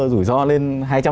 rủi ro lên hai trăm linh